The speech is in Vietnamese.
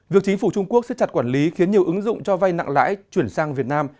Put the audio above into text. việc chính phủ trung quốc xếp chặt quản lý khiến nhiều ứng dụng cho vay nặng lãi chuyển sang việt nam